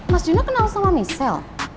mas juna kenal sama michelle